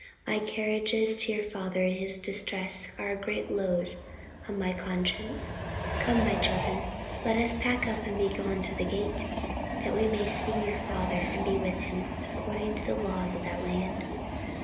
My carriages to your father in his distress are a great load on my conscience. Come, my children, let us pack up and be gone to the gate, that we may see your father and be with him, according to the laws of that land."